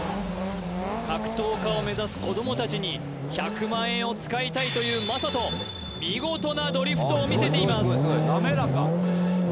格闘家を目指す子どもたちに１００万円を使いたいという魔裟斗見事なドリフトを見せています